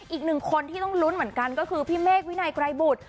อีกหนึ่งคนที่ต้องลุ้นเหมือนกันก็คือพี่เมฆวินัยไกรบุตร